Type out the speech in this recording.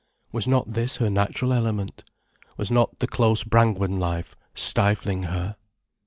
Was not this her natural element? Was not the close Brangwen life stifling her?